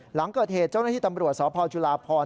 หลังเกิดเหตุเจ้าหน้าที่ตำรวจสพจุลาพร